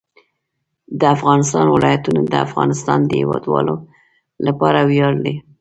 د افغانستان ولايتونه د افغانستان د هیوادوالو لپاره ویاړ دی.